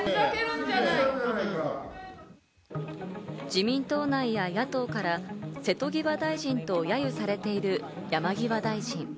自民党内や野党から瀬戸際大臣と揶揄されている山際大臣。